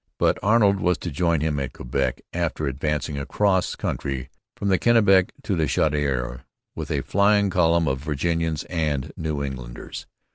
But Arnold was to join him at Quebec after advancing across country from the Kennebec to the Chaudiere with a flying column of Virginians and New Englanders.